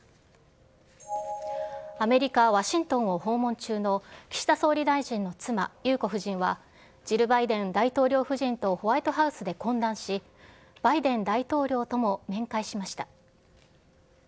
アメリカ・ワシントンを訪問中の岸田総理大臣の妻、裕子夫人は、ジル・バイデン大統領夫人とホワイトハウスで懇談し、バイデン大統領とも面会しました。